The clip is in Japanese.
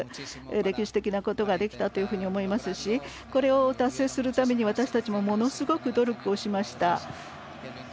歴史的なことができたと思いますしこれを達成するために私たちもものすごく努力しました。